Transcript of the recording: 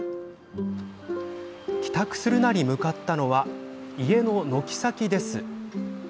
帰宅するなり向かったのは家の軒先。